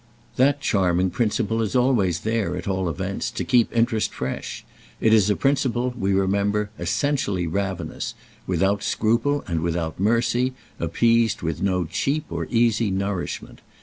That charming principle is always there, at all events, to keep interest fresh: it is a principle, we remember, essentially ravenous, without scruple and without mercy, appeased with no cheap nor easy nourishment.